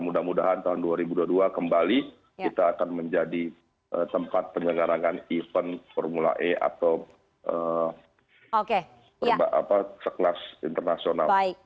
mudah mudahan tahun dua ribu dua puluh dua kembali kita akan menjadi tempat penyelenggaraan event formula e atau sekelas internasional